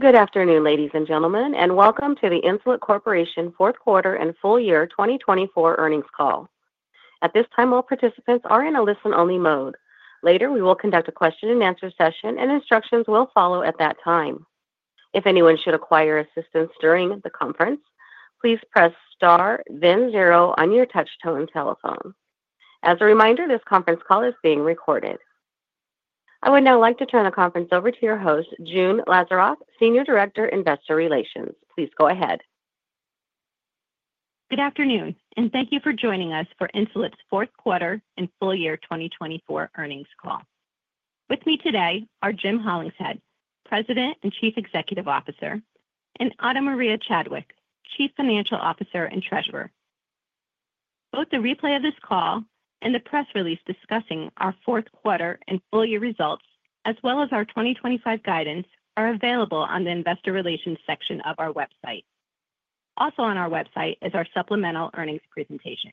Good afternoon, ladies and gentlemen, and welcome to the Insulet Corporation Fourth Quarter and Full Year 2024 Earnings Call. At this time, all participants are in a listen-only mode. Later, we will conduct a question-and-answer session, and instructions will follow at that time. If anyone should require assistance during the conference, please press star then zero on your touch-tone telephone. As a reminder, this conference call is being recorded. I would now like to turn the conference over to your host, June Lazaroff, Senior Director, Investor Relations. Please go ahead. Good afternoon, and thank you for joining us for Insulet's Fourth Quarter and Full Year 2024 Earnings Call. With me today are Jim Hollingshead, President and Chief Executive Officer, and Ana Maria Chadwick, Chief Financial Officer and Treasurer. Both the replay of this call and the press release discussing our Fourth Quarter and Full Year results, as well as our 2025 guidance, are available on the Investor Relations section of our website. Also on our website is our supplemental earnings presentation.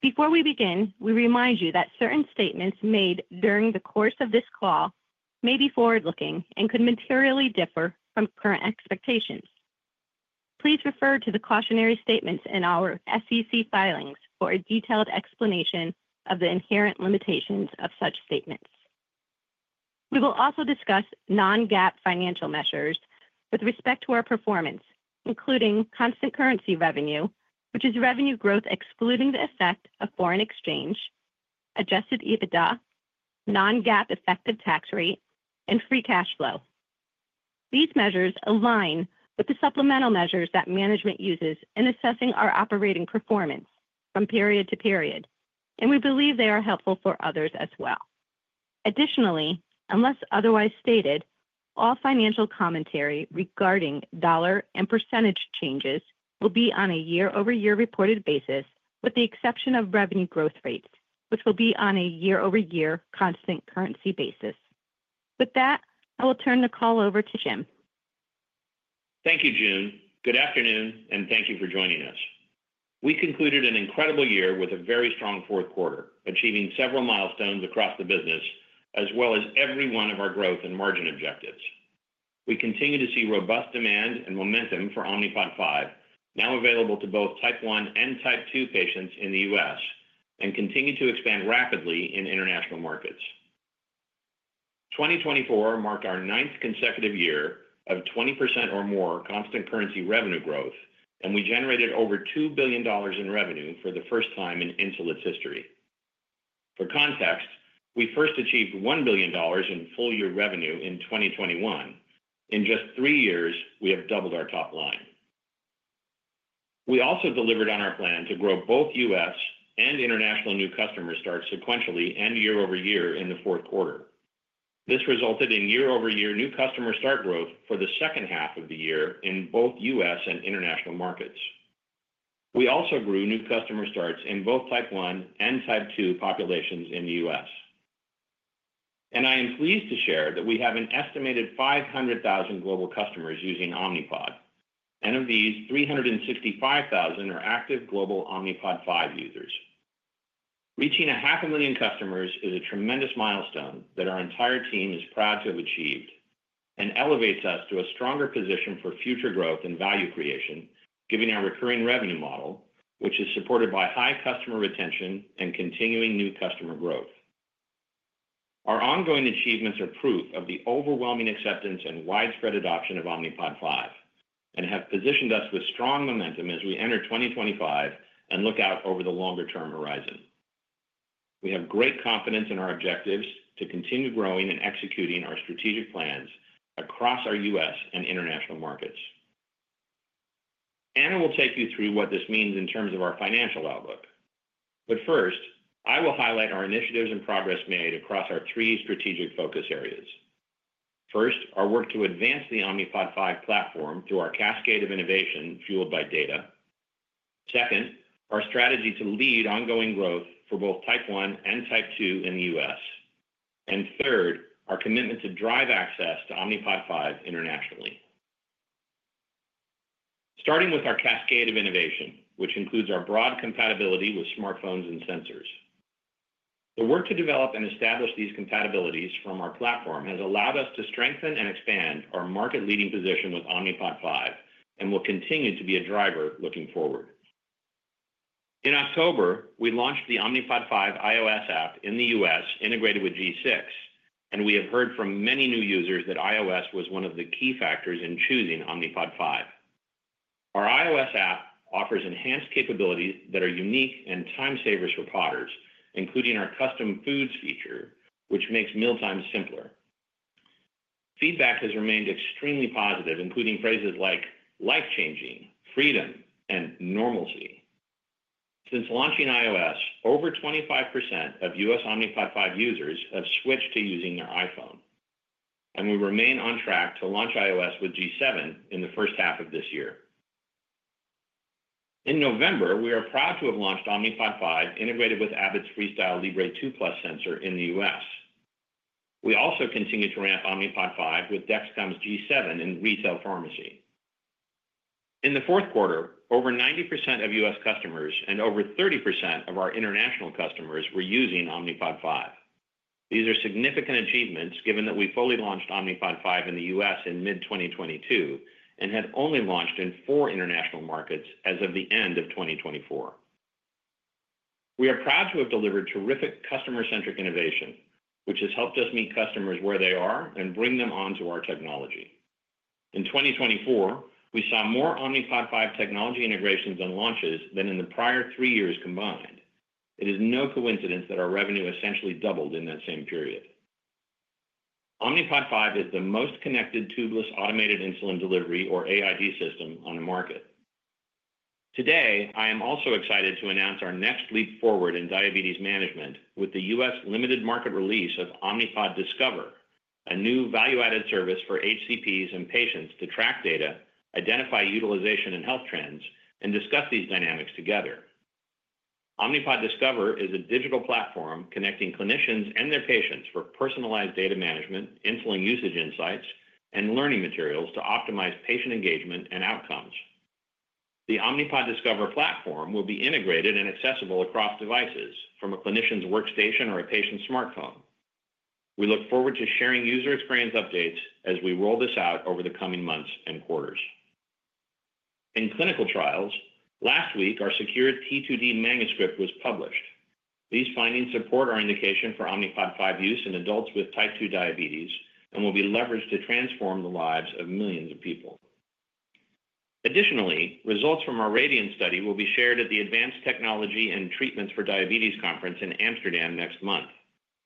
Before we begin, we remind you that certain statements made during the course of this call may be forward-looking and could materially differ from current expectations. Please refer to the cautionary statements in our SEC filings for a detailed explanation of the inherent limitations of such statements. We will also discuss non-GAAP financial measures with respect to our performance, including constant currency revenue, which is revenue growth excluding the effect of foreign exchange, Adjusted EBITDA, non-GAAP effective tax rate, and free cash flow. These measures align with the supplemental measures that management uses in assessing our operating performance from period to period, and we believe they are helpful for others as well. Additionally, unless otherwise stated, all financial commentary regarding dollar and percentage changes will be on a year-over-year reported basis, with the exception of revenue growth rates, which will be on a year-over-year constant currency basis. With that, I will turn the call over to Jim. Thank you, June. Good afternoon, and thank you for joining us. We concluded an incredible year with a very strong fourth quarter, achieving several milestones across the business, as well as every one of our growth and margin objectives. We continue to see robust demand and momentum for Omnipod 5, now available to both Type 1 and Type 2 patients in the U.S., and continue to expand rapidly in international markets. 2024 marked our ninth consecutive year of 20% or more constant currency revenue growth, and we generated over $2 billion in revenue for the first time in Insulet's history. For context, we first achieved $1 billion in full-year revenue in 2021. In just three years, we have doubled our top line. We also delivered on our plan to grow both U.S. and international new customer starts sequentially and year-over-year in the fourth quarter. This resulted in year-over-year new customer start growth for the second half of the year in both U.S. and international markets. We also grew new customer starts in both Type 1 and Type 2 populations in the U.S., and I am pleased to share that we have an estimated 500,000 global customers using Omnipod, and of these, 365,000 are active global Omnipod 5 users. Reaching 500,000 customers is a tremendous milestone that our entire team is proud to have achieved and elevates us to a stronger position for future growth and value creation, given our recurring revenue model, which is supported by high customer retention and continuing new customer growth. Our ongoing achievements are proof of the overwhelming acceptance and widespread adoption of Omnipod 5 and have positioned us with strong momentum as we enter 2025 and look out over the longer-term horizon. We have great confidence in our objectives to continue growing and executing our strategic plans across our U.S. and international markets. Ana will take you through what this means in terms of our financial outlook. But first, I will highlight our initiatives and progress made across our three strategic focus areas. First, our work to advance the Omnipod 5 platform through our cascade of innovation fueled by data. Second, our strategy to lead ongoing growth for both Type 1 and Type 2 in the U.S. And third, our commitment to drive access to Omnipod 5 internationally. Starting with our cascade of innovation, which includes our broad compatibility with smartphones and sensors. The work to develop and establish these compatibilities from our platform has allowed us to strengthen and expand our market-leading position with Omnipod 5 and will continue to be a driver looking forward. In October, we launched the Omnipod 5 iOS app in the U.S., integrated with G6, and we have heard from many new users that iOS was one of the key factors in choosing Omnipod 5. Our iOS app offers enhanced capabilities that are unique and time-savers for Podders, including our Custom Foods feature, which makes mealtimes simpler. Feedback has remained extremely positive, including phrases like "life-changing," "freedom," and "normalcy." Since launching iOS, over 25% of U.S. Omnipod 5 users have switched to using their iPhone, and we remain on track to launch iOS with G7 in the first half of this year. In November, we are proud to have launched Omnipod 5 integrated with Abbott's FreeStyle Libre 2+ sensor in the U.S. We also continue to ramp Omnipod 5 with Dexcom's G7 in retail pharmacy. In the fourth quarter, over 90% of U.S. customers and over 30% of our international customers were using Omnipod 5. These are significant achievements, given that we fully launched Omnipod 5 in the U.S. in mid-2022 and had only launched in four international markets as of the end of 2024. We are proud to have delivered terrific customer-centric innovation, which has helped us meet customers where they are and bring them onto our technology. In 2024, we saw more Omnipod 5 technology integrations and launches than in the prior three years combined. It is no coincidence that our revenue essentially doubled in that same period. Omnipod 5 is the most connected tubeless automated insulin delivery, or AID, system on the market. Today, I am also excited to announce our next leap forward in diabetes management with the U.S. limited market release of Omnipod Discover, a new value-added service for HCPs and patients to track data, identify utilization and health trends, and discuss these dynamics together. Omnipod Discover is a digital platform connecting clinicians and their patients for personalized data management, insulin usage insights, and learning materials to optimize patient engagement and outcomes. The Omnipod Discover platform will be integrated and accessible across devices, from a clinician's workstation or a patient's smartphone. We look forward to sharing user experience updates as we roll this out over the coming months and quarters. In clinical trials, last week, our SECURE-T2D manuscript was published. These findings support our indication for Omnipod 5 use in adults with Type 2 diabetes and will be leveraged to transform the lives of millions of people. Additionally, results from our RADIANT study will be shared at the Advanced Technologies & Treatments for Diabetes Conference in Amsterdam next month.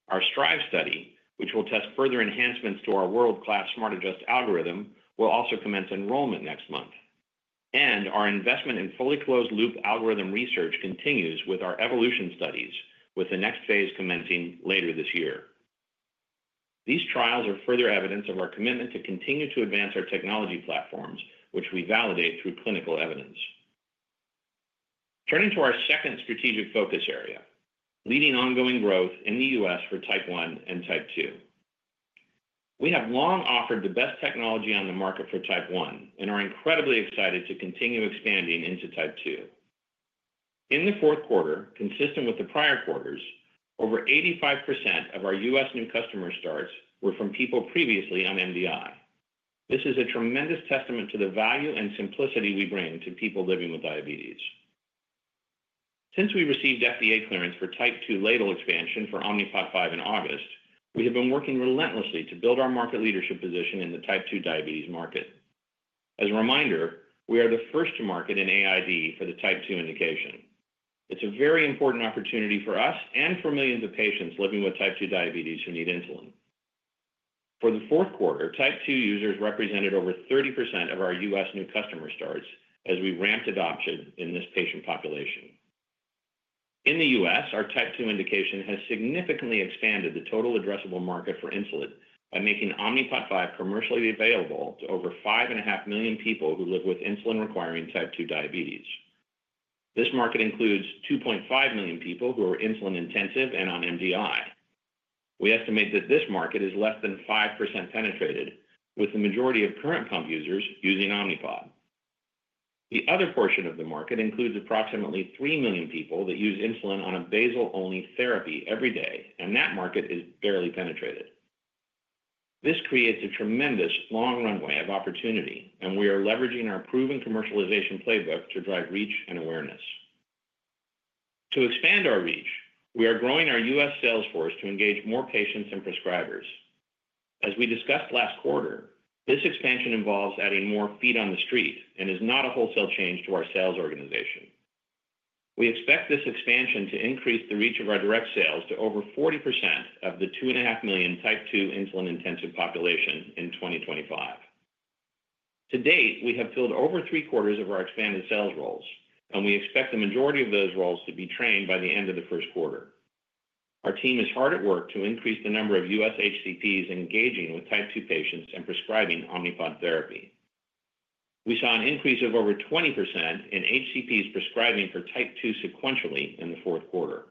Our STRIVE study, which will test further enhancements to our world-class SmartAdjust algorithm, will also commence enrollment next month. And our investment in fully closed-loop algorithm research continues with our Evolution studies, with the next phase commencing later this year. These trials are further evidence of our commitment to continue to advance our technology platforms, which we validate through clinical evidence. Turning to our second strategic focus area: leading ongoing growth in the U.S. for Type 1 and Type 2. We have long offered the best technology on the market for Type 1 and are incredibly excited to continue expanding into Type 2. In the fourth quarter, consistent with the prior quarters, over 85% of our U.S. new customer starts were from people previously on MDI. This is a tremendous testament to the value and simplicity we bring to people living with diabetes. Since we received FDA clearance for Type 2 label expansion for Omnipod 5 in August, we have been working relentlessly to build our market leadership position in the Type 2 diabetes market. As a reminder, we are the first to market an AID for the Type 2 indication. It's a very important opportunity for us and for millions of patients living with Type 2 diabetes who need insulin. For the fourth quarter, Type 2 users represented over 30% of our U.S. new customer starts as we ramped adoption in this patient population. In the U.S., our Type 2 indication has significantly expanded the total addressable market for insulin by making Omnipod 5 commercially available to over 5.5 million people who live with insulin-requiring Type 2 diabetes. This market includes 2.5 million people who are insulin-intensive and on MDI. We estimate that this market is less than 5% penetrated, with the majority of current pump users using Omnipod. The other portion of the market includes approximately 3 million people that use insulin on a basal-only therapy every day, and that market is barely penetrated. This creates a tremendous long runway of opportunity, and we are leveraging our proven commercialization playbook to drive reach and awareness. To expand our reach, we are growing our U.S. sales force to engage more patients and prescribers. As we discussed last quarter, this expansion involves adding more feet on the street and is not a wholesale change to our sales organization. We expect this expansion to increase the reach of our direct sales to over 40% of the 2.5 million Type 2 insulin-intensive population in 2025. To date, we have filled over three quarters of our expanded sales roles, and we expect the majority of those roles to be trained by the end of the first quarter. Our team is hard at work to increase the number of U.S. HCPs engaging with Type 2 patients and prescribing Omnipod therapy. We saw an increase of over 20% in HCPs prescribing for Type 2 sequentially in the fourth quarter.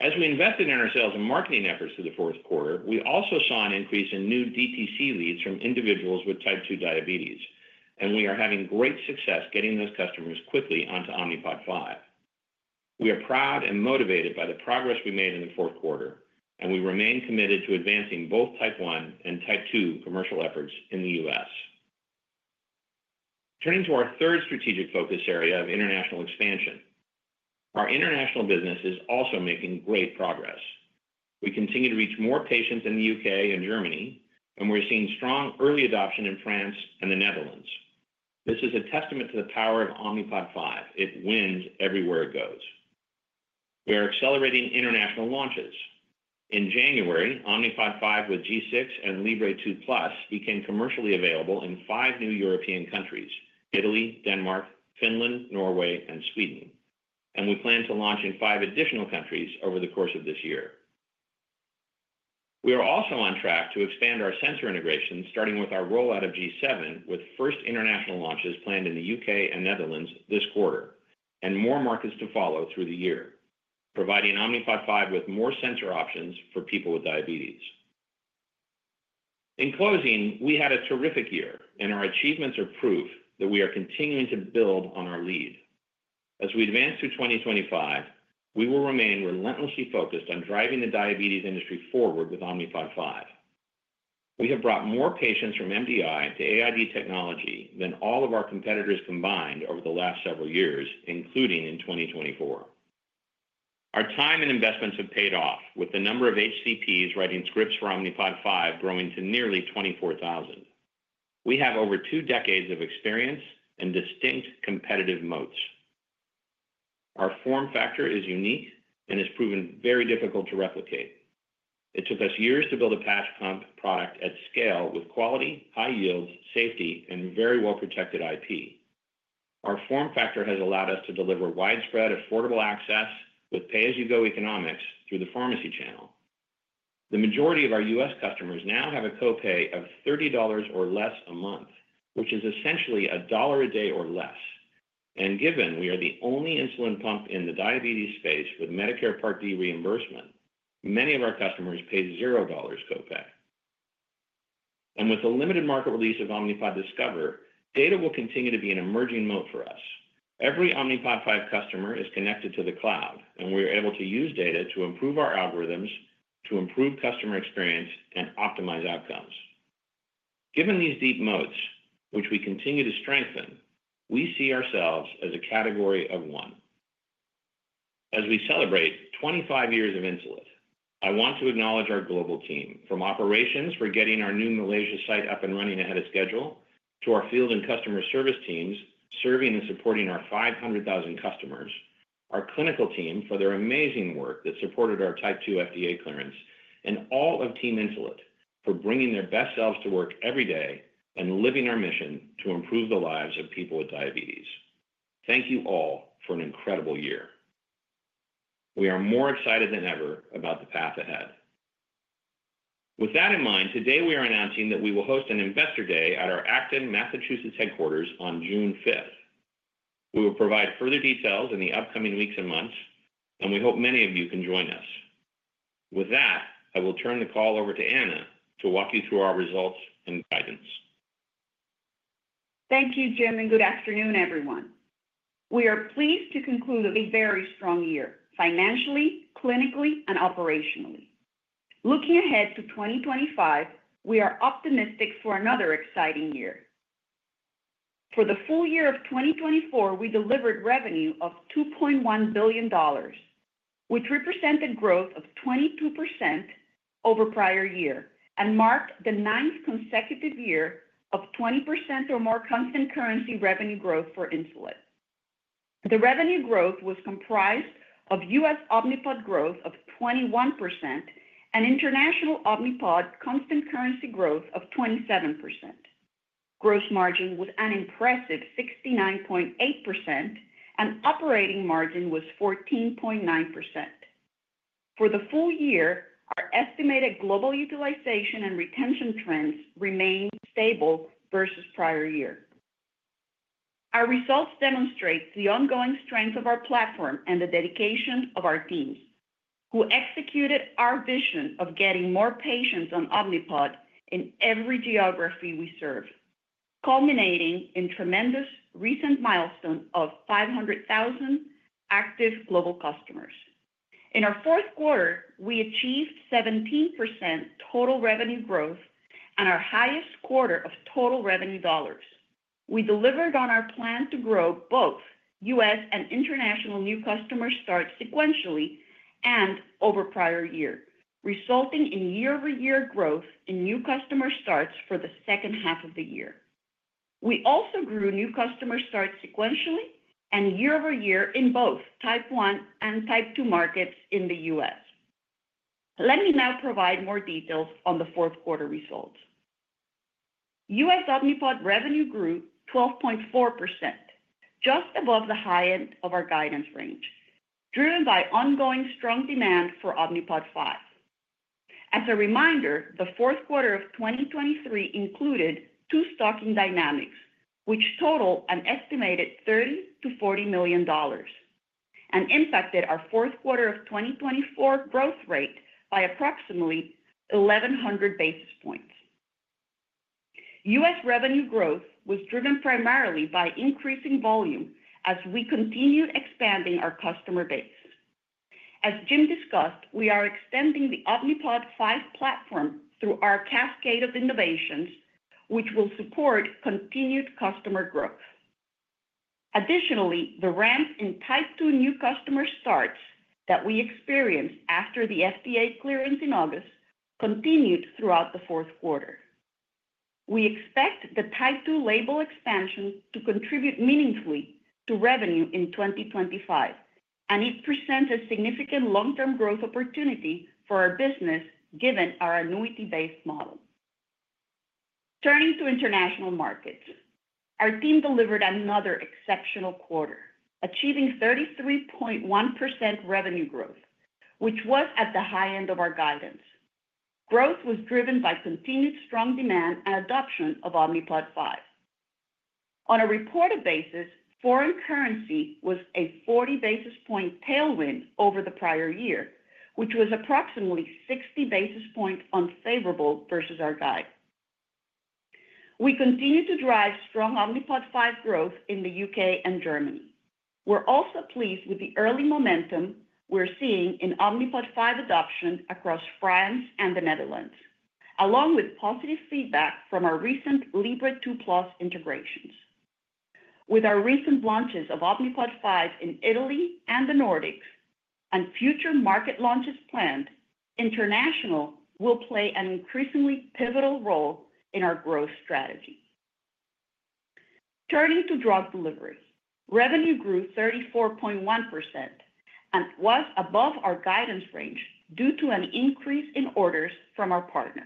As we invested in our sales and marketing efforts through the fourth quarter, we also saw an increase in new DTC leads from individuals with Type 2 diabetes, and we are having great success getting those customers quickly onto Omnipod 5. We are proud and motivated by the progress we made in the fourth quarter, and we remain committed to advancing both Type 1 and Type 2 commercial efforts in the U.S. Turning to our third strategic focus area of international expansion, our international business is also making great progress. We continue to reach more patients in the U.K. and Germany, and we're seeing strong early adoption in France and the Netherlands. This is a testament to the power of Omnipod 5. It wins everywhere it goes. We are accelerating international launches. In January, Omnipod 5 with G6 and Libre 2+ became commercially available in five new European countries: Italy, Denmark, Finland, Norway, and Sweden, and we plan to launch in five additional countries over the course of this year. We are also on track to expand our sensor integration, starting with our rollout of G7, with first international launches planned in the U.K. and Netherlands this quarter and more markets to follow through the year, providing Omnipod 5 with more sensor options for people with diabetes. In closing, we had a terrific year, and our achievements are proof that we are continuing to build on our lead. As we advance through 2025, we will remain relentlessly focused on driving the diabetes industry forward with Omnipod 5. We have brought more patients from MDI to AID technology than all of our competitors combined over the last several years, including in 2024. Our time and investments have paid off, with the number of HCPs writing scripts for Omnipod 5 growing to nearly 24,000. We have over two decades of experience and distinct competitive moats. Our form factor is unique and has proven very difficult to replicate. It took us years to build a patch pump product at scale with quality, high yields, safety, and very well-protected IP. Our form factor has allowed us to deliver widespread, affordable access with pay-as-you-go economics through the pharmacy channel. The majority of our U.S. customers now have a copay of $30 or less a month, which is essentially a dollar a day or less. And given we are the only insulin pump in the diabetes space with Medicare Part D reimbursement, many of our customers pay $0 copay. And with the limited market release of Omnipod Discover, data will continue to be an emerging moat for us. Every Omnipod 5 customer is connected to the cloud, and we are able to use data to improve our algorithms, to improve customer experience, and optimize outcomes. Given these deep moats, which we continue to strengthen, we see ourselves as a category of one. As we celebrate 25 years of insulin, I want to acknowledge our global team, from operations for getting our new Malaysia site up and running ahead of schedule, to our field and customer service teams serving and supporting our 500,000 customers, our clinical team for their amazing work that supported our Type 2 FDA clearance, and all of Team Insulet for bringing their best selves to work every day and living our mission to improve the lives of people with diabetes. Thank you all for an incredible year. We are more excited than ever about the path ahead. With that in mind, today we are announcing that we will host an Investor Day at our Acton, Massachusetts headquarters on June 5th. We will provide further details in the upcoming weeks and months, and we hope many of you can join us. With that, I will turn the call over to Ana to walk you through our results and guidance. Thank you, Jim, and good afternoon, everyone. We are pleased to conclude a very strong year, financially, clinically, and operationally. Looking ahead to 2025, we are optimistic for another exciting year. For the full year of 2024, we delivered revenue of $2.1 billion, which represented growth of 22% over the prior year and marked the ninth consecutive year of 20% or more constant currency revenue growth for Insulet. The revenue growth was comprised of U.S. Omnipod growth of 21% and international Omnipod constant currency growth of 27%. Gross margin was an impressive 69.8%, and operating margin was 14.9%. For the full year, our estimated global utilization and retention trends remained stable versus the prior year. Our results demonstrate the ongoing strength of our platform and the dedication of our teams, who executed our vision of getting more patients on Omnipod in every geography we served, culminating in a tremendous recent milestone of 500,000 active global customers. In our fourth quarter, we achieved 17% total revenue growth and our highest quarter of total revenue dollars. We delivered on our plan to grow both U.S. and international new customer starts sequentially and over the prior year, resulting in year-over-year growth in new customer starts for the second half of the year. We also grew new customer starts sequentially and year-over-year in both Type 1 and Type 2 markets in the U.S. Let me now provide more details on the fourth quarter results. U.S. Omnipod revenue grew 12.4%, just above the high end of our guidance range, driven by ongoing strong demand for Omnipod 5. As a reminder, the fourth quarter of 2023 included two stocking dynamics, which total an estimated $30-$40 million, and impacted our fourth quarter of 2024 growth rate by approximately 1,100 basis points. U.S. revenue growth was driven primarily by increasing volume as we continued expanding our customer base. As Jim discussed, we are extending the Omnipod 5 platform through our cascade of innovations, which will support continued customer growth. Additionally, the ramp in Type 2 new customer starts that we experienced after the FDA clearance in August continued throughout the fourth quarter. We expect the Type 2 label expansion to contribute meaningfully to revenue in 2025, and it presents a significant long-term growth opportunity for our business, given our annuity-based model. Turning to international markets, our team delivered another exceptional quarter, achieving 33.1% revenue growth, which was at the high end of our guidance. Growth was driven by continued strong demand and adoption of Omnipod 5. On a reported basis, foreign currency was a 40 basis point tailwind over the prior year, which was approximately 60 basis points unfavorable versus our guide. We continue to drive strong Omnipod 5 growth in the U.K. and Germany. We're also pleased with the early momentum we're seeing in Omnipod 5 adoption across France and the Netherlands, along with positive feedback from our recent Libre 2+ integrations. With our recent launches of Omnipod 5 in Italy and the Nordics, and future market launches planned, international will play an increasingly pivotal role in our growth strategy. Turning to drug delivery, revenue grew 34.1% and was above our guidance range due to an increase in orders from our partner.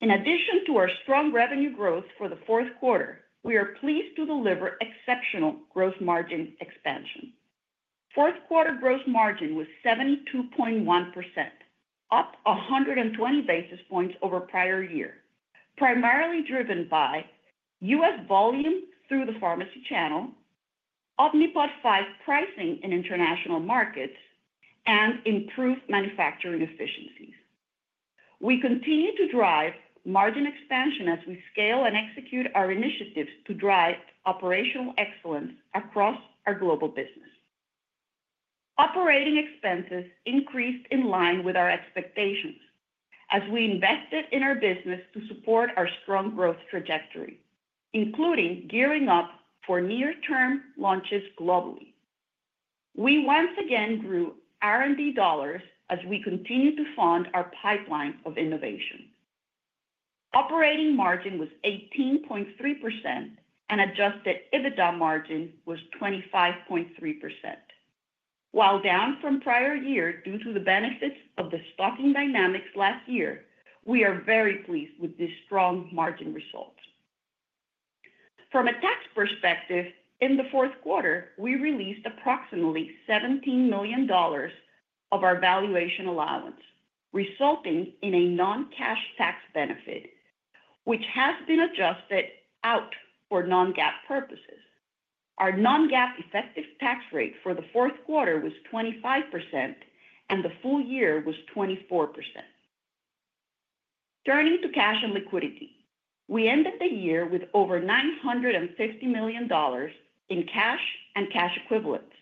In addition to our strong revenue growth for the fourth quarter, we are pleased to deliver exceptional gross margin expansion. Fourth quarter gross margin was 72.1%, up 120 basis points over the prior year, primarily driven by U.S. volume through the pharmacy channel, Omnipod 5 pricing in international markets, and improved manufacturing efficiencies. We continue to drive margin expansion as we scale and execute our initiatives to drive operational excellence across our global business. Operating expenses increased in line with our expectations as we invested in our business to support our strong growth trajectory, including gearing up for near-term launches globally. We once again grew R&D dollars as we continue to fund our pipeline of innovation. Operating margin was 18.3%, and Adjusted EBITDA margin was 25.3%. While down from the prior year due to the benefits of the stocking dynamics last year, we are very pleased with this strong margin result. From a tax perspective, in the fourth quarter, we released approximately $17 million of our valuation allowance, resulting in a non-cash tax benefit, which has been adjusted out for non-GAAP purposes. Our non-GAAP effective tax rate for the fourth quarter was 25%, and the full year was 24%. Turning to cash and liquidity, we ended the year with over $950 million in cash and cash equivalents,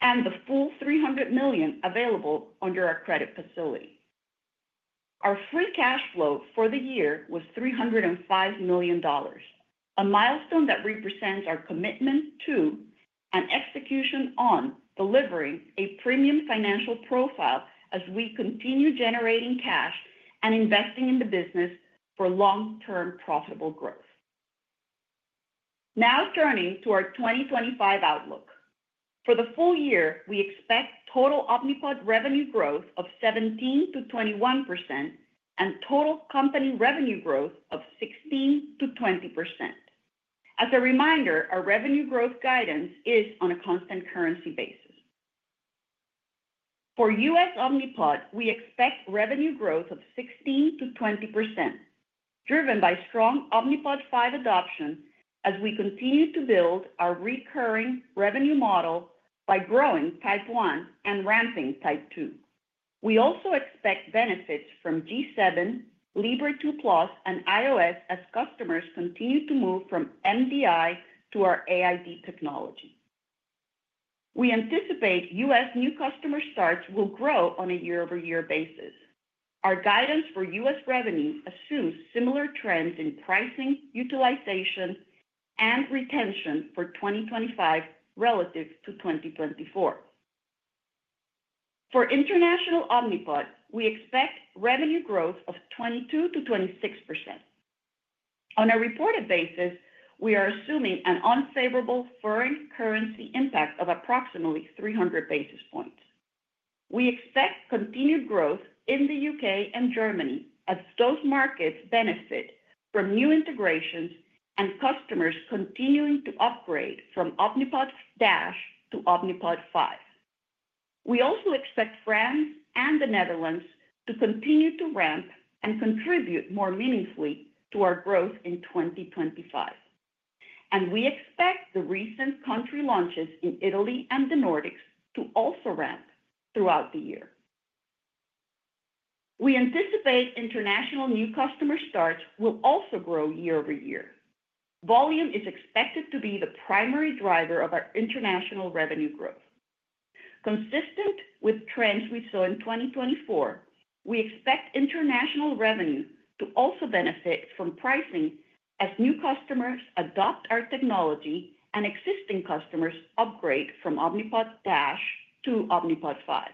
and the full $300 million available under our credit facility. Our free cash flow for the year was $305 million, a milestone that represents our commitment to and execution on delivering a premium financial profile as we continue generating cash and investing in the business for long-term profitable growth. Now turning to our 2025 outlook, for the full year, we expect total Omnipod revenue growth of 17%-21% and total company revenue growth of 16%-20%. As a reminder, our revenue growth guidance is on a constant currency basis. For U.S. Omnipod, we expect revenue growth of 16%-20%, driven by strong Omnipod 5 adoption as we continue to build our recurring revenue model by growing Type 1 and ramping Type 2. We also expect benefits from G7, Libre 2+, and iOS as customers continue to move from MDI to our AID technology. We anticipate U.S. new customer starts will grow on a year-over-year basis. Our guidance for U.S. revenue assumes similar trends in pricing, utilization, and retention for 2025 relative to 2024. For international Omnipod, we expect revenue growth of 22%-26%. On a reported basis, we are assuming an unfavorable foreign currency impact of approximately 300 basis points. We expect continued growth in the U.K. And Germany as those markets benefit from new integrations and customers continuing to upgrade from Omnipod DASH to Omnipod 5. We also expect France and the Netherlands to continue to ramp and contribute more meaningfully to our growth in 2025. And we expect the recent country launches in Italy and the Nordics to also ramp throughout the year. We anticipate international new customer starts will also grow year-over-year. Volume is expected to be the primary driver of our international revenue growth. Consistent with trends we saw in 2024, we expect international revenue to also benefit from pricing as new customers adopt our technology and existing customers upgrade from Omnipod DASH to Omnipod 5.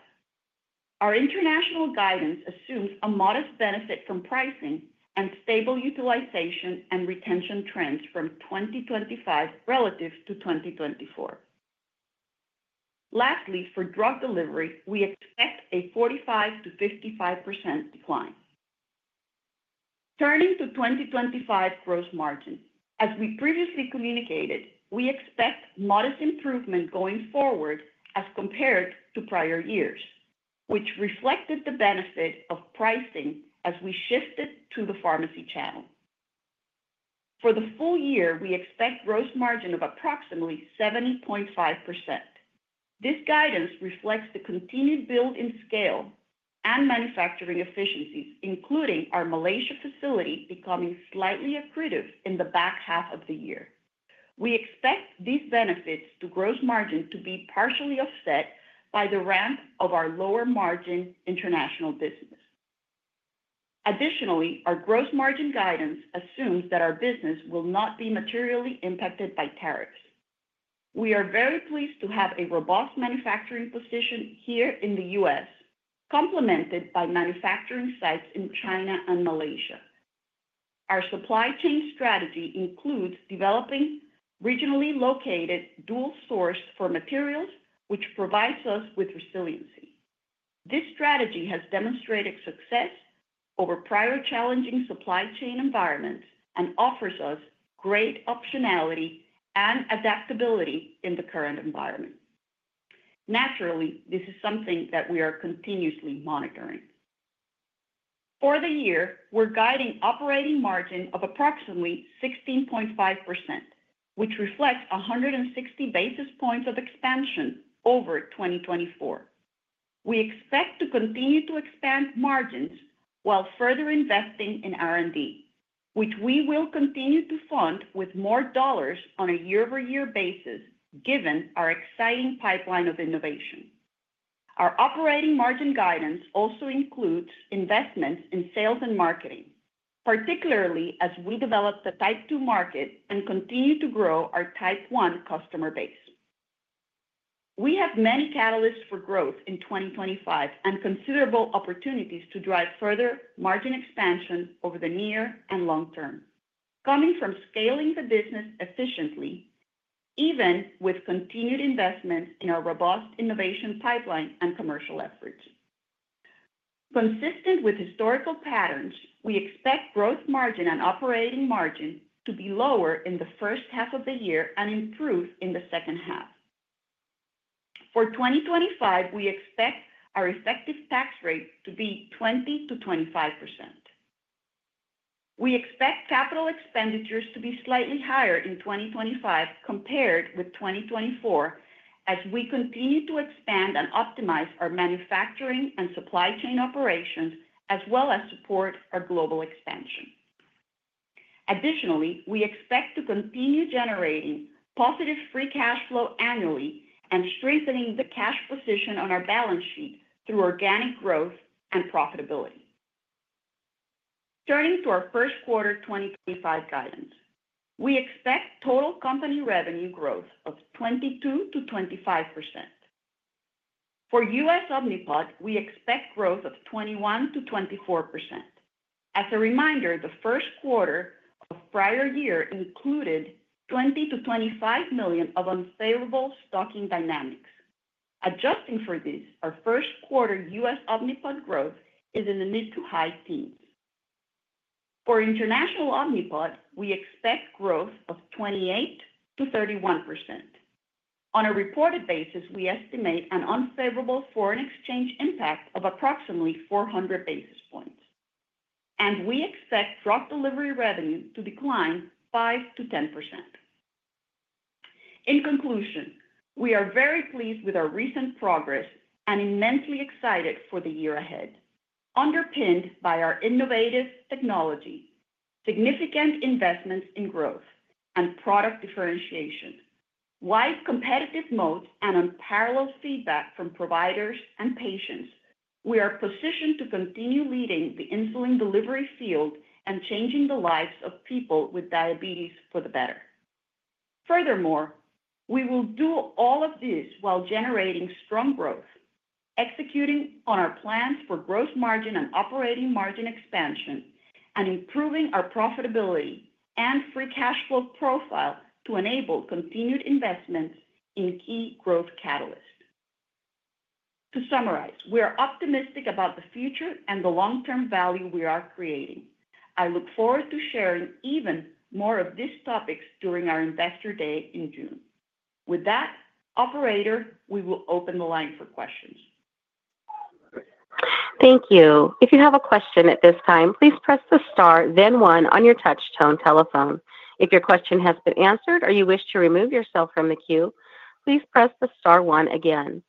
Our international guidance assumes a modest benefit from pricing and stable utilization and retention trends from 2025 relative to 2024. Lastly, for drug delivery, we expect a 45%-55% decline. Turning to 2025 gross margin, as we previously communicated, we expect modest improvement going forward as compared to prior years, which reflected the benefit of pricing as we shifted to the pharmacy channel. For the full year, we expect gross margin of approximately 70.5%. This guidance reflects the continued build in scale and manufacturing efficiencies, including our Malaysia facility becoming slightly accretive in the back half of the year. We expect these benefits to gross margin to be partially offset by the ramp of our lower margin international business. Additionally, our gross margin guidance assumes that our business will not be materially impacted by tariffs. We are very pleased to have a robust manufacturing position here in the U.S., complemented by manufacturing sites in China and Malaysia. Our supply chain strategy includes developing regionally located dual source for materials, which provides us with resiliency. This strategy has demonstrated success over prior challenging supply chain environments and offers us great optionality and adaptability in the current environment. Naturally, this is something that we are continuously monitoring. For the year, we're guiding operating margin of approximately 16.5%, which reflects 160 basis points of expansion over 2024. We expect to continue to expand margins while further investing in R&D, which we will continue to fund with more dollars on a year-over-year basis, given our exciting pipeline of innovation. Our operating margin guidance also includes investments in sales and marketing, particularly as we develop the Type 2 market and continue to grow our Type 1 customer base. We have many catalysts for growth in 2025 and considerable opportunities to drive further margin expansion over the near and long term, coming from scaling the business efficiently, even with continued investments in our robust innovation pipeline and commercial efforts. Consistent with historical patterns, we expect gross margin and operating margin to be lower in the first half of the year and improve in the second half. For 2025, we expect our effective tax rate to be 20%-25%. We expect capital expenditures to be slightly higher in 2025 compared with 2024 as we continue to expand and optimize our manufacturing and supply chain operations, as well as support our global expansion. Additionally, we expect to continue generating positive free cash flow annually and strengthening the cash position on our balance sheet through organic growth and profitability. Turning to our first quarter 2025 guidance, we expect total company revenue growth of 22%-25%. For U.S. Omnipod, we expect growth of 21%-24%. As a reminder, the first quarter of the prior year included $20 million-$25 million of unsaleable stocking dynamics. Adjusting for this, our first quarter U.S. Omnipod growth is in the mid to high teens. For international Omnipod, we expect growth of 28%-31%. On a reported basis, we estimate an unfavorable foreign exchange impact of approximately 400 basis points. And we expect drug delivery revenue to decline 5%-10%. In conclusion, we are very pleased with our recent progress and immensely excited for the year ahead. Underpinned by our innovative technology, significant investments in growth, and product differentiation, wide competitive moats, and unparalleled feedback from providers and patients, we are positioned to continue leading the insulin delivery field and changing the lives of people with diabetes for the better. Furthermore, we will do all of this while generating strong growth, executing on our plans for gross margin and operating margin expansion, and improving our profitability and free cash flow profile to enable continued investments in key growth catalysts. To summarize, we are optimistic about the future and the long-term value we are creating. I look forward to sharing even more of these topics during our Investor Day in June. With that, Operator, we will open the line for questions. Thank you. If you have a question at this time, please press the star, then one on your touch tone telephone. If your question has been answered or you wish to remove yourself from the queue, please press the star one again.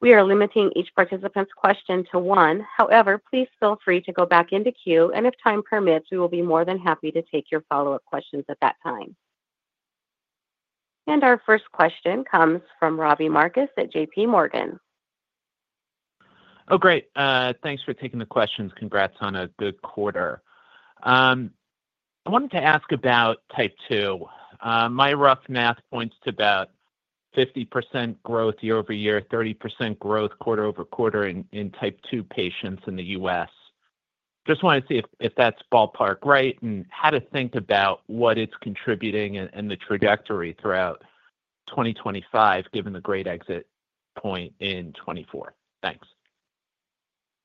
We are limiting each participant's question to one. However, please feel free to go back into queue, and if time permits, we will be more than happy to take your follow-up questions at that time. And our first question comes from Robbie Marcus at J.P. Morgan. Oh, great. Thanks for taking the questions. Congrats on a good quarter. I wanted to ask about Type 2. My rough math points to about 50% growth year-over-year, 30% growth quarter-over-quarter in Type 2 patients in the U.S. Just want to see if that's ballpark right and how to think about what it's contributing and the trajectory throughout 2025, given the great exit point in 2024. Thanks.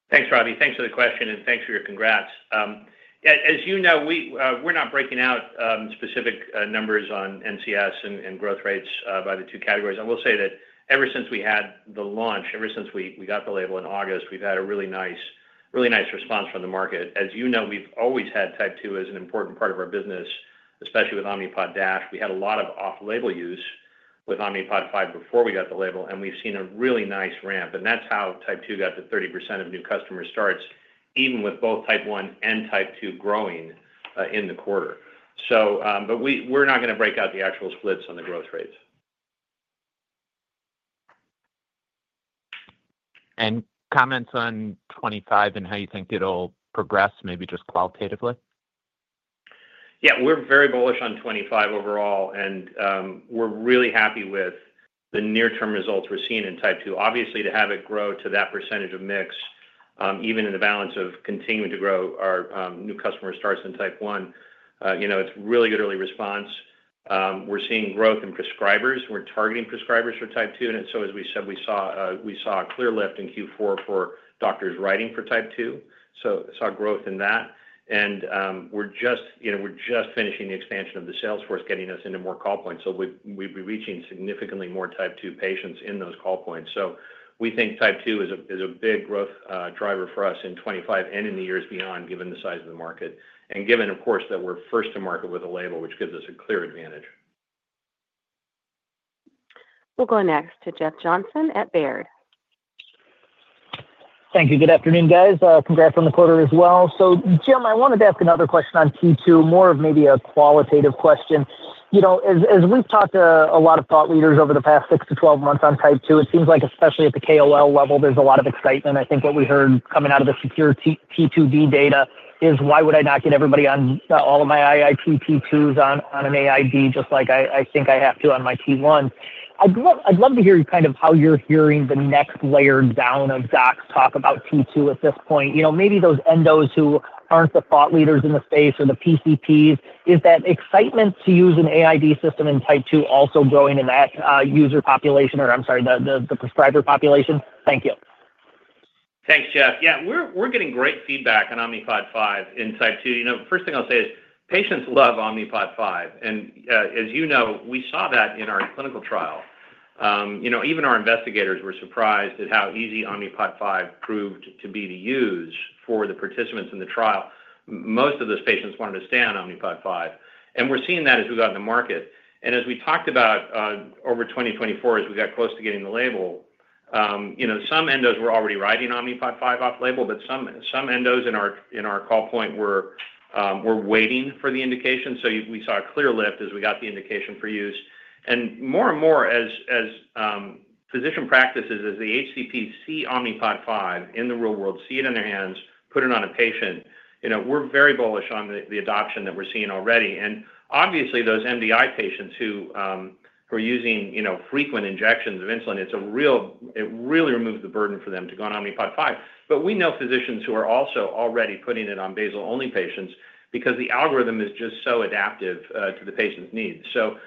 Thanks, Robbie. Thanks for the question, and thanks for your congrats. As you know, we're not breaking out specific numbers on NCS and growth rates by the two categories. I will say that ever since we had the launch, ever since we got the label in August, we've had a really nice response from the market. As you know, we've always had Type 2 as an important part of our business, especially with Omnipod DASH. We had a lot of off-label use with Omnipod 5 before we got the label, and we've seen a really nice ramp. And that's how Type 2 got to 30% of new customer starts, even with both Type 1 and Type 2 growing in the quarter. But we're not going to break out the actual splits on the growth rates. Comments on 2025 and how you think it'll progress, maybe just qualitatively? Yeah, we're very bullish on 2025 overall, and we're really happy with the near-term results we're seeing in Type 2. Obviously, to have it grow to that percentage of mix, even in the balance of continuing to grow our new customer starts in Type 1, it's really good early response. We're seeing growth in prescribers. We're targeting prescribers for Type 2. And so, as we said, we saw a clear lift in Q4 for doctors writing for Type 2. So we saw growth in that. And we're just finishing the expansion of the sales force, getting us into more call points. So we'll be reaching significantly more Type 2 patients in those call points. So we think Type 2 is a big growth driver for us in 2025 and in the years beyond, given the size of the market. Given, of course, that we're first to market with a label, which gives us a clear advantage. We'll go next to Jeff Johnson at Baird. Thank you. Good afternoon, guys. Congrats on the quarter as well. Jim, I wanted to ask another question on T2, more of maybe a qualitative question. As we've talked to a lot of thought leaders over the past 6 to 12 months on Type 2, it seems like, especially at the KOL level, there's a lot of excitement. I think what we heard coming out of the SECURE-T2D data is, "Why would I not get everybody on all of my IIT T2s on an AID just like I think I have to on my T1?" I'd love to hear kind of how you're hearing the next layer down of docs talk about T2 at this point. Maybe those endos who aren't the thought leaders in the space or the PCPs, is that excitement to use an AID system in Type 2 also growing in that user population or, I'm sorry, the prescriber population? Thank you. Thanks, Jeff. Yeah, we're getting great feedback on Omnipod 5 in Type 2. First thing I'll say is patients love Omnipod 5. And as you know, we saw that in our clinical trial. Even our investigators were surprised at how easy Omnipod 5 proved to be to use for the participants in the trial. Most of those patients wanted to stay on Omnipod 5. And we're seeing that as we go out in the market. And as we talked about over 2024, as we got close to getting the label, some endos were already writing Omnipod 5 off-label, but some endos in our call point were waiting for the indication. So we saw a clear lift as we got the indication for use. And more and more as physician practices, as the HCP see Omnipod 5 in the real world, see it in their hands, put it on a patient, we're very bullish on the adoption that we're seeing already. And obviously, those MDI patients who are using frequent injections of insulin, it really removes the burden for them to go on Omnipod 5. But we know physicians who are also already putting it on basal-only patients because the algorithm is just so adaptive to the patient's needs. So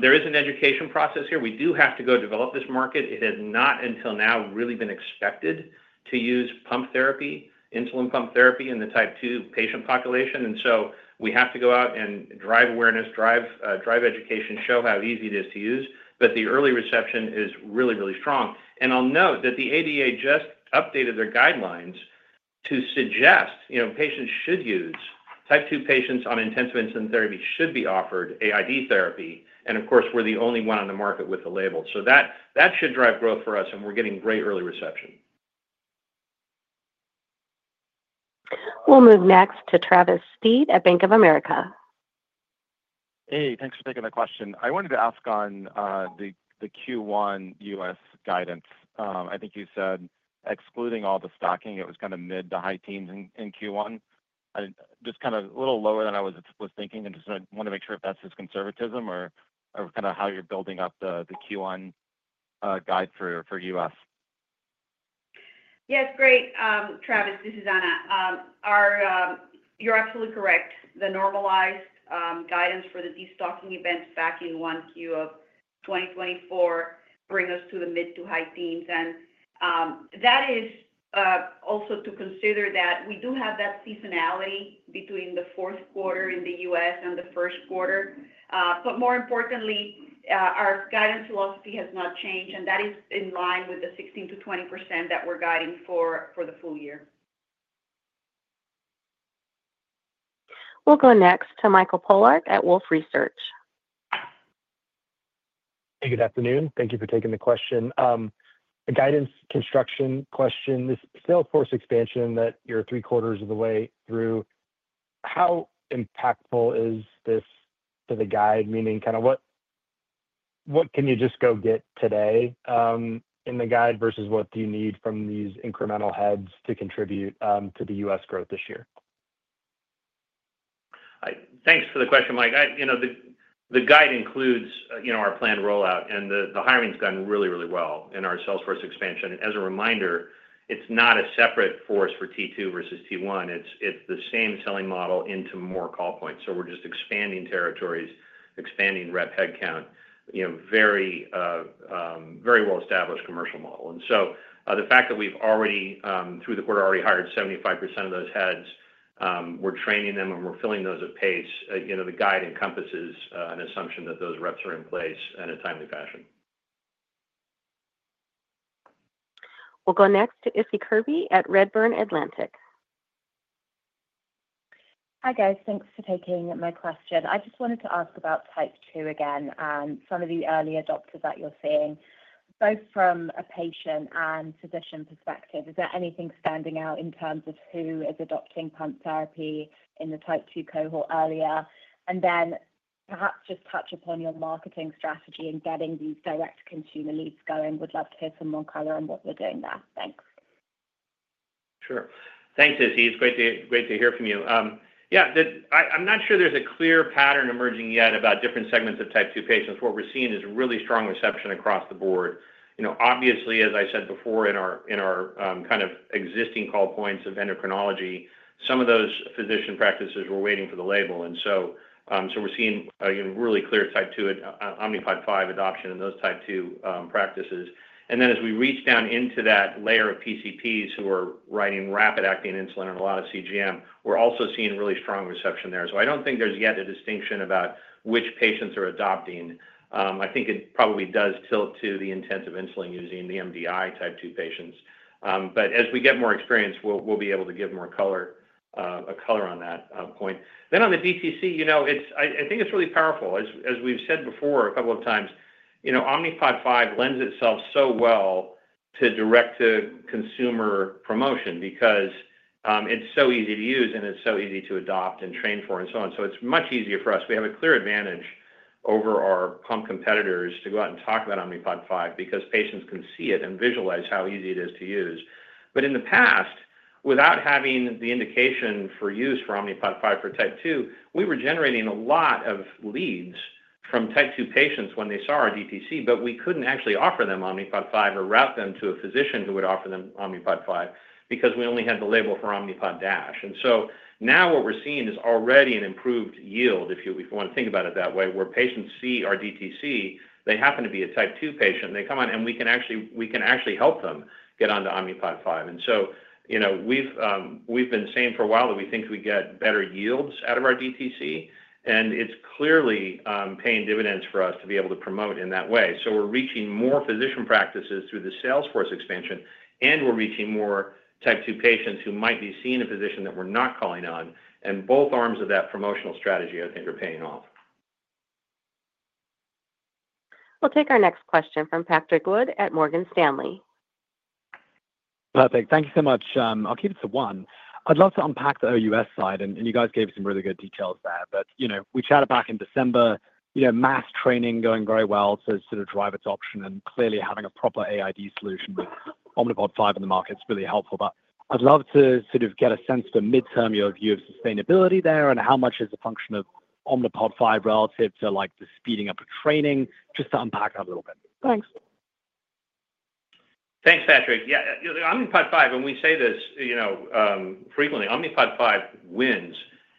there is an education process here. We do have to go develop this market. It has not until now really been expected to use pump therapy, insulin pump therapy in the Type 2 patient population. And so we have to go out and drive awareness, drive education, show how easy it is to use. But the early reception is really, really strong. I'll note that the ADA just updated their guidelines to suggest that Type 2 patients on intensive insulin therapy should be offered AID therapy. Of course, we're the only one on the market with the label. That should drive growth for us, and we're getting great early reception. We'll move next to Travis Steed at Bank of America. Hey, thanks for taking the question. I wanted to ask on the Q1 U.S. guidance. I think you said excluding all the stocking, it was kind of mid- to high teens in Q1. Just kind of a little lower than I was thinking. I just want to make sure if that's just conservatism or kind of how you're building up the Q1 guide for U.S. Yes, great. Travis, this is Ana. You're absolutely correct. The normalized guidance for the destocking events back in 1Q of 2024 brings us to the mid- to high-teens. And that is also to consider that we do have that seasonality between the fourth quarter in the U.S. and the first quarter. But more importantly, our guidance philosophy has not changed, and that is in line with the 16%-20% that we're guiding for the full year. We'll go next to Michael Polark at Wolfe Research. Hey, good afternoon. Thank you for taking the question. The guidance construction question, this sales force expansion that you're three quarters of the way through, how impactful is this to the guide? Meaning kind of what can you just go get today in the guide versus what do you need from these incremental heads to contribute to the U.S. growth this year? Thanks for the question, Mike. The guide includes our planned rollout, and the hiring has gone really, really well in our sales force expansion. As a reminder, it's not a separate force for T2 versus T1. It's the same selling model into more call points. So we're just expanding territories, expanding rep headcount, very well-established commercial model. And so the fact that we've already, through the quarter, already hired 75% of those heads, we're training them, and we're filling those at pace. The guide encompasses an assumption that those reps are in place in a timely fashion. We'll go next to Issie Kirby at Redburn Atlantic. Hi, guys. Thanks for taking my question. I just wanted to ask about Type 2 again and some of the early adopters that you're seeing, both from a patient and physician perspective. Is there anything standing out in terms of who is adopting pump therapy in the Type 2 cohort earlier? And then perhaps just touch upon your marketing strategy in getting these direct consumer leads going. Would love to hear from marketing on what we're doing there. Thanks. Sure. Thanks, Issie. It's great to hear from you. Yeah, I'm not sure there's a clear pattern emerging yet about different segments of Type 2 patients. What we're seeing is really strong reception across the board. Obviously, as I said before, in our kind of existing call points of endocrinology, some of those physician practices were waiting for the label, and so we're seeing really clear Type 2 Omnipod 5 adoption in those Type 2 practices, and then as we reach down into that layer of PCPs who are writing rapid-acting insulin and a lot of CGM, we're also seeing really strong reception there, so I don't think there's yet a distinction about which patients are adopting. I think it probably does tilt to the intensive insulin using the MDI Type 2 patients, but as we get more experience, we'll be able to give more color on that point. Then on the B2C, I think it's really powerful. As we've said before a couple of times, Omnipod 5 lends itself so well to direct-to-consumer promotion because it's so easy to use, and it's so easy to adopt and train for, and so on. So it's much easier for us. We have a clear advantage over our pump competitors to go out and talk about Omnipod 5 because patients can see it and visualize how easy it is to use. But in the past, without having the indication for use for Omnipod 5 for Type 2, we were generating a lot of leads from Type 2 patients when they saw our DTC, but we couldn't actually offer them Omnipod 5 or route them to a physician who would offer them Omnipod 5 because we only had the label for Omnipod DASH. Now what we're seeing is already an improved yield, if you want to think about it that way, where patients see our DTC, they happen to be a Type 2 patient, and they come on, and we can actually help them get onto Omnipod 5. We've been saying for a while that we think we get better yields out of our DTC, and it's clearly paying dividends for us to be able to promote in that way. We're reaching more physician practices through the sales force expansion, and we're reaching more Type 2 patients who might be seeing a physician that we're not calling on. Both arms of that promotional strategy, I think, are paying off. We'll take our next question from Patrick Wood at Morgan Stanley. Perfect. Thank you so much. I'll keep it to one. I'd love to unpack the OUS side, and you guys gave some really good details there. But we chatted back in December, mass training going very well to sort of drive adoption and clearly having a proper AID solution with Omnipod 5 in the market is really helpful. But I'd love to sort of get a sense for midterm your view of sustainability there and how much is a function of Omnipod 5 relative to the speeding up of training, just to unpack that a little bit. Thanks. Thanks, Patrick. Yeah, Omnipod 5, when we say this frequently, Omnipod 5 wins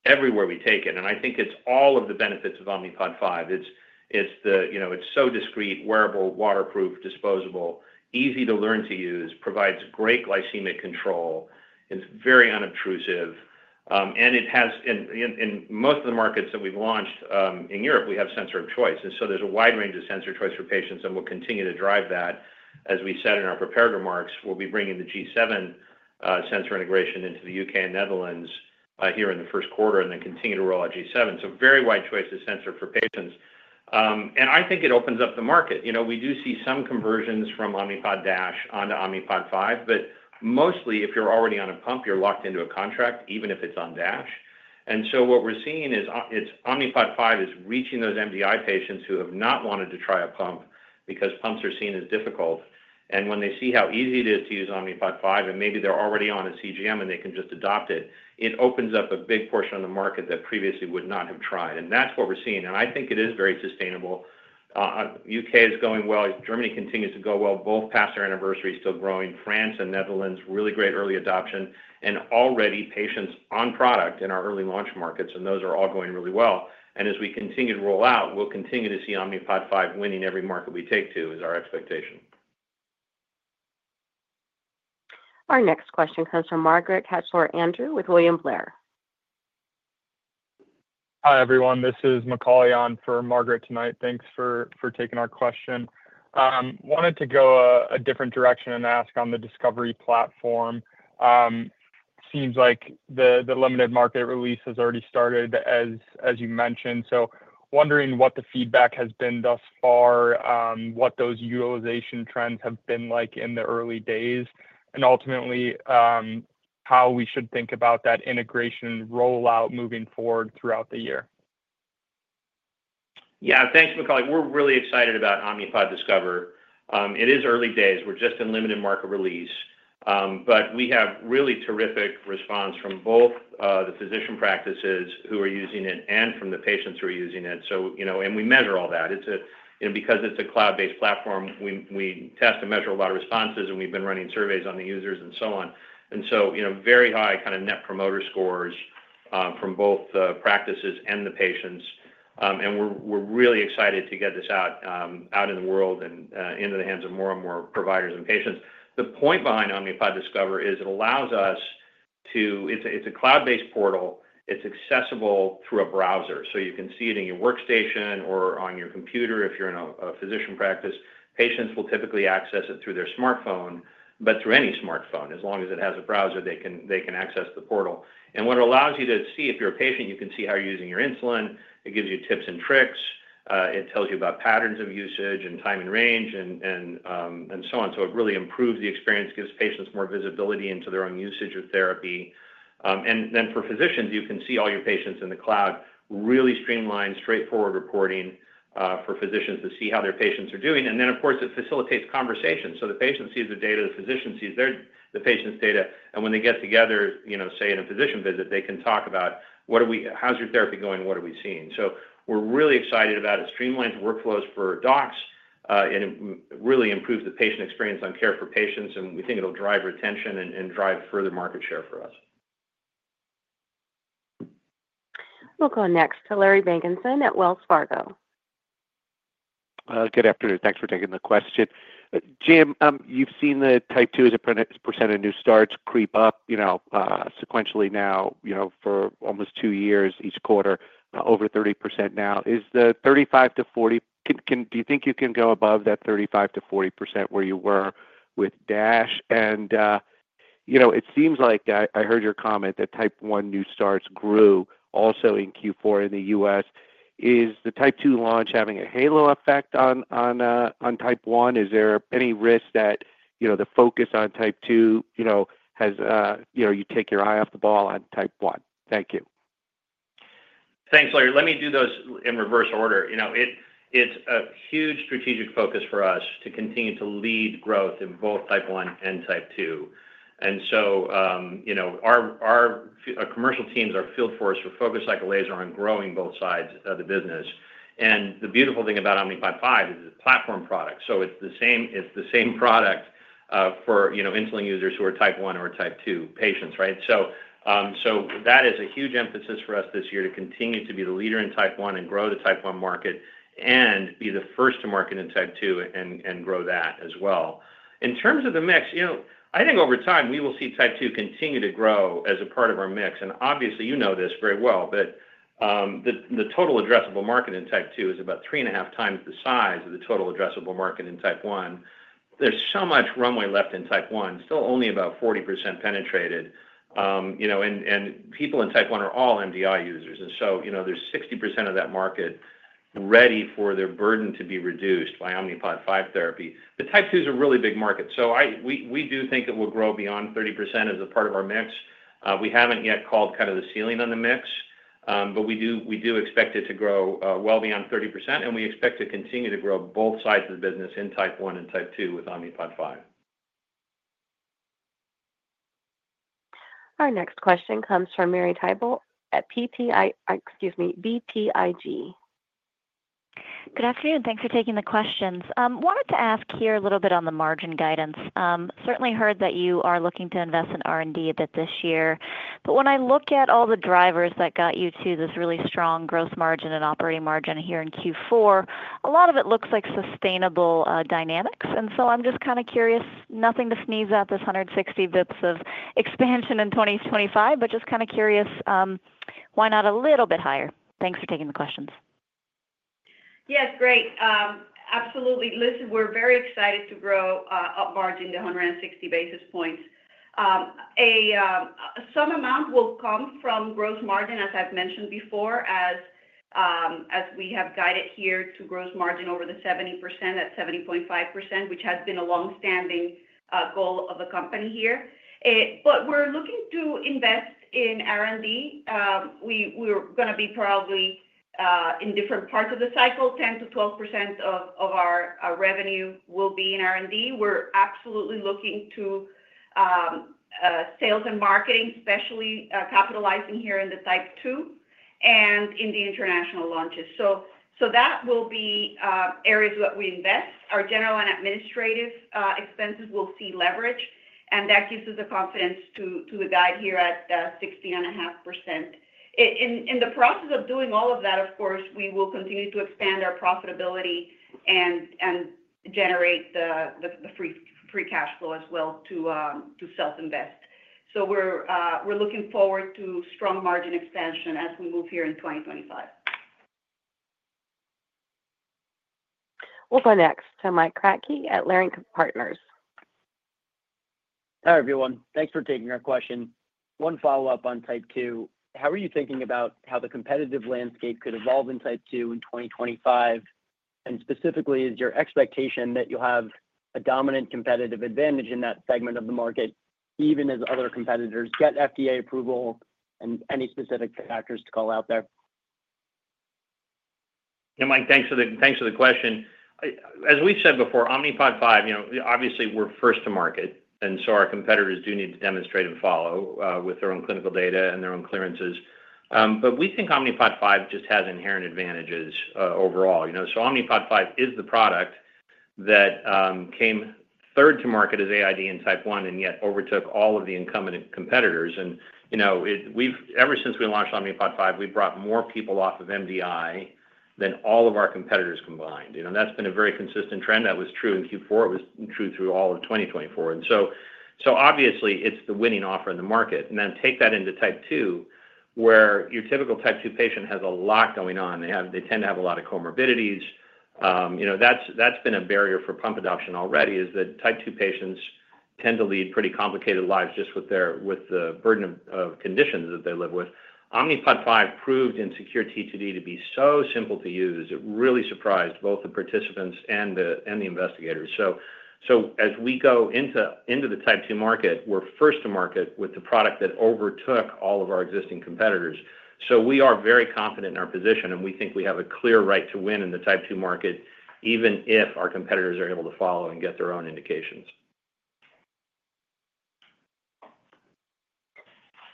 everywhere we take it, and I think it's all of the benefits of Omnipod 5. It's so discreet, wearable, waterproof, disposable, easy to learn to use, provides great glycemic control, is very unobtrusive, and in most of the markets that we've launched in Europe, we have sensor of choice. And so there's a wide range of sensor choice for patients, and we'll continue to drive that. As we said in our prepared remarks, we'll be bringing the G7 sensor integration into the U.K. and Netherlands here in the first quarter and then continue to roll out G7, so very wide choice of sensor for patients, and I think it opens up the market. We do see some conversions from Omnipod DASH onto Omnipod 5, but mostly, if you're already on a pump, you're locked into a contract, even if it's on DASH. And so what we're seeing is Omnipod 5 is reaching those MDI patients who have not wanted to try a pump because pumps are seen as difficult. And when they see how easy it is to use Omnipod 5, and maybe they're already on a CGM and they can just adopt it, it opens up a big portion of the market that previously would not have tried. And that's what we're seeing. And I think it is very sustainable. U.K. is going well. Germany continues to go well. Both past their anniversary, still growing. France and Netherlands, really great early adoption. And already patients on product in our early launch markets, and those are all going really well. As we continue to roll out, we'll continue to see Omnipod 5 winning every market we take it to is our expectation. Our next question comes from Margaret Kaczor Andrew with William Blair. Hi, everyone. This is Macaulay on for Margaret tonight. Thanks for taking our question. Wanted to go a different direction and ask on the discovery platform. Seems like the limited market release has already started, as you mentioned. So wondering what the feedback has been thus far, what those utilization trends have been like in the early days, and ultimately how we should think about that integration rollout moving forward throughout the year. Yeah, thanks, Macaulay. We're really excited about Omnipod Discover. It is early days. We're just in limited market release. But we have really terrific response from both the physician practices who are using it and from the patients who are using it. And we measure all that. Because it's a cloud-based platform, we test and measure a lot of responses, and we've been running surveys on the users and so on. And so very high kind of net promoter scores from both the practices and the patients. And we're really excited to get this out in the world and into the hands of more and more providers and patients. The point behind Omnipod Discover is it allows us to. It's a cloud-based portal. It's accessible through a browser. So you can see it in your workstation or on your computer if you're in a physician practice. Patients will typically access it through their smartphone, but through any smartphone. As long as it has a browser, they can access the portal, and what it allows you to see, if you're a patient, you can see how you're using your insulin. It gives you tips and tricks. It tells you about patterns of usage and time and range and so on, so it really improves the experience, gives patients more visibility into their own usage of therapy, then for physicians, you can see all your patients in the cloud, really streamlined, straightforward reporting for physicians to see how their patients are doing, then, of course, it facilitates conversation, so the patient sees the data, the physician sees the patient's data, and when they get together, say, in a physician visit, they can talk about, "How's your therapy going? What are we seeing?", so we're really excited about it. It streamlines workflows for docs and really improves the patient experience on care for patients, and we think it'll drive retention and drive further market share for us. We'll go next to Larry Biegelsen at Wells Fargo. Good afternoon. Thanks for taking the question. Jim, you've seen the Type 2 as a percent of new starts creep up sequentially now for almost two years each quarter, over 30% now. Is the 35%-40%—do you think you can go above that 35%-40% where you were with DASH? And it seems like I heard your comment that Type 1 new starts grew also in Q4 in the U.S. Is the Type 2 launch having a halo effect on Type 1? Is there any risk that the focus on Type 2 has you take your eye off the ball on Type 1? Thank you. Thanks, Larry. Let me do those in reverse order. It's a huge strategic focus for us to continue to lead growth in both Type 1 and Type 2. Our commercial teams' field force is focused like a laser on growing both sides of the business. The beautiful thing about Omnipod 5 is it's a platform product. It's the same product for insulin users who are Type 1 or Type 2 patients, right? That is a huge emphasis for us this year to continue to be the leader in Type 1 and grow the Type 1 market and be the first to market in Type 2 and grow that as well. In terms of the mix, I think over time we will see Type 2 continue to grow as a part of our mix. Obviously, you know this very well, but the total addressable market in Type 2 is about three and a half times the size of the total addressable market in Type 1. There's so much runway left in Type 1, still only about 40% penetrated. People in Type 1 are all MDI users. So there's 60% of that market ready for their burden to be reduced by Omnipod 5 therapy. The Type 2 is a really big market. We do think it will grow beyond 30% as a part of our mix. We haven't yet called kind of the ceiling on the mix, but we do expect it to grow well beyond 30%. We expect to continue to grow both sides of the business in Type 1 and Type 2 with Omnipod 5. Our next question comes from Marie Thibault at BTIG. Good afternoon. Thanks for taking the questions. Wanted to ask here a little bit on the margin guidance. Certainly heard that you are looking to invest in R&D a bit this year. But when I look at all the drivers that got you to this really strong gross margin and operating margin here in Q4, a lot of it looks like sustainable dynamics. And so I'm just kind of curious, nothing to sneeze at this 160 basis points of expansion in 2025, but just kind of curious, why not a little bit higher? Thanks for taking the questions. Yes, great. Absolutely. Listen, we're very excited to grow our margin to 160 basis points. Some amount will come from gross margin, as I've mentioned before, as we have guided here to gross margin over the 70%, at 70.5%, which has been a long-standing goal of the company here. But we're looking to invest in R&D. We're going to be probably in different parts of the cycle. 10% to 12% of our revenue will be in R&D. We're absolutely looking to sales and marketing, especially capitalizing here in the Type 2 and in the international launches. So that will be areas that we invest. Our general and administrative expenses will see leverage, and that gives us the confidence to guide here at 60.5%. In the process of doing all of that, of course, we will continue to expand our profitability and generate the free cash flow as well to self-invest. So we're looking forward to strong margin expansion as we move here in 2025. We'll go next to Mike Kratky at Leerink Partners. Hi everyone. Thanks for taking our question. One follow-up on Type 2. How are you thinking about how the competitive landscape could evolve in Type 2 in 2025? And specifically, is your expectation that you'll have a dominant competitive advantage in that segment of the market, even as other competitors get FDA approval and any specific factors to call out there? Yeah, Mike, thanks for the question. As we've said before, Omnipod 5, obviously, we're first to market. And so our competitors do need to demonstrate and follow with their own clinical data and their own clearances. But we think Omnipod 5 just has inherent advantages overall. So Omnipod 5 is the product that came third to market as AID in Type 1 and yet overtook all of the incumbent competitors. Ever since we launched Omnipod 5, we've brought more people off of MDI than all of our competitors combined. And that's been a very consistent trend. That was true in Q4. It was true through all of 2024. And so obviously, it's the winning offer in the market. And then take that into Type 2, where your typical Type 2 patient has a lot going on. They tend to have a lot of comorbidities. That's been a barrier for pump adoption already, in that Type 2 patients tend to lead pretty complicated lives just with the burden of conditions that they live with. Omnipod 5 proved in SECURE-T2D to be so simple to use. It really surprised both the participants and the investigators. So as we go into the Type 2 market, we're first to market with the product that overtook all of our existing competitors. So we are very confident in our position, and we think we have a clear right to win in the Type 2 market, even if our competitors are able to follow and get their own indications.